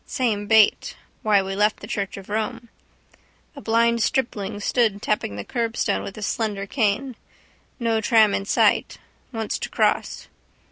Same bait. Why we left the church of Rome. A blind stripling stood tapping the curbstone with his slender cane. No tram in sight. Wants to cross.